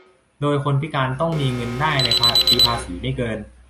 โดยคนพิการต้องมีเงินได้ในปีภาษีไม่เกิน